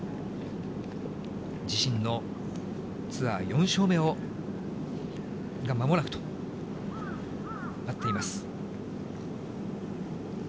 自身のツアー４勝目がまもなくとなっています。